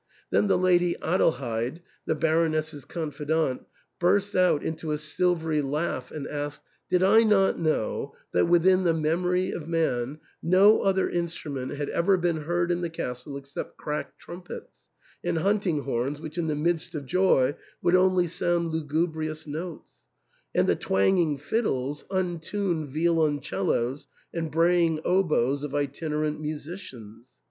Then the Lady Adelheid (the Baroness's confidante) burst out into a silvery laugh and asked, did I not know that within the memory of man no other instrument had ever been heard in the castle except cracked trumpets, and hunting horns which in the midst of joy would only sound lugu brious notes, and the twanging fiddles, untuned violon cellos, and braying oboes of itinerant musicians.